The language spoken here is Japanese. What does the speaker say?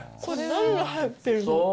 何が入ってるの。